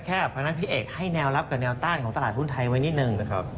เพราะฉะนั้นพี่เอกให้แนวรับกับแนวต้านของตลาดหุ้นไทยไว้นิดนึงนะครับ